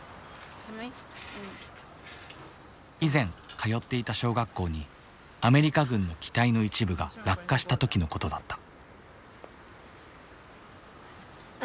以前通っていた小学校にアメリカ軍の機体の一部が落下した時のことだった。